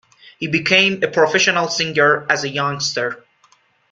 He became a professional singer as a youngster.